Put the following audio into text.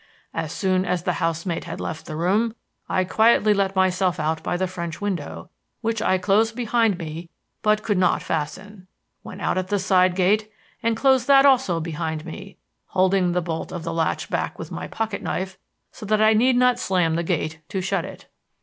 As soon as the housemaid had left the room I quietly let myself out by the French window, which I closed behind me but could not fasten, went out at the side gate and closed that also behind me, holding the bolt of the latch back with my pocket knife so that I need not slam the gate to shut it.